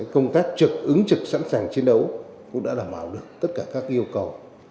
công tác trực ứng trực sẵn sàng chiến đấu cũng đã đảm bảo được tất cả các yêu cầu